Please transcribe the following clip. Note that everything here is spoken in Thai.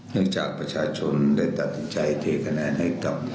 ไม่จากประชาชนด้วยตัดทิจัยเทคะแนนให้กับ